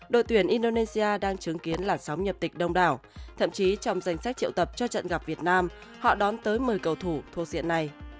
đội tuyển indonesia đang chứng kiến làn sóng nhập tịch đông đảo thậm chí trong danh sách triệu tập cho trận gặp việt nam họ đón tới một mươi cầu thủ thuộc diện này